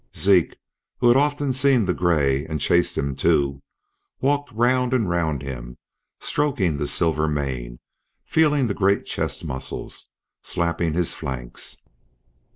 Zeke, who had often seen the gray and chased him too, walked round and round him, stroking the silver mane, feeling the great chest muscles, slapping his flanks.